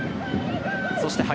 そして林。